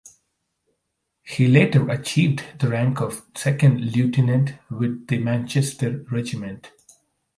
He later achieved the rank of second lieutenant with the Manchester Regiment.